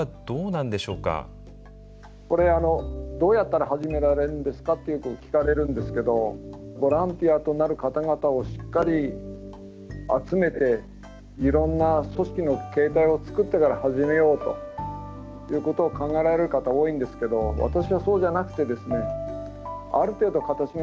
これどうやったら始められるんですかってよく聞かれるんですけどボランティアとなる方々をしっかり集めていろんな組織の形態を作ってから始めようということを考えられる方多いんですけど私はそうじゃなくてですねある程度形ができたら始めて下さいと。